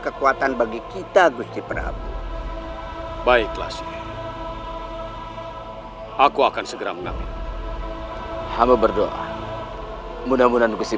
kesempatan bagi kita gusi prabowo baiklah aku akan segera menang hamu berdoa mudah mudahan gusi